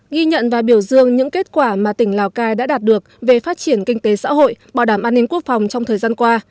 ghi nhận và biểu dương những kết quả mà tỉnh lào cai đã đạt được về phát triển kinh tế xã hội bảo đảm an ninh quốc phòng trong thời gian qua